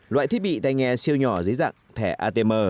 loại thiết bị tay nghe siêu nhỏ dưới dạng thẻ atm